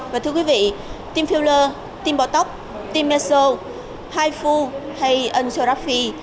và thưa quý vị tim filler tim bò tóc tim meso haifu hay angiography